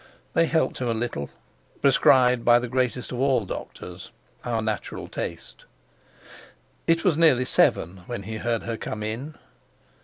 They helped him a little—prescribed by the greatest of all doctors, our natural taste. It was nearly seven when he heard her come in.